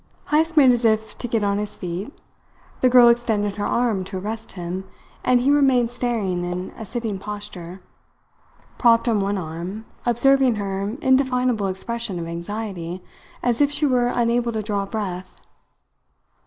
Heyst made as if to get on his feet. The girl extended her arm to arrest him, and he remained staring in a sitting posture, propped on one arm, observing her indefinable expression of anxiety, as if she were unable to draw breath.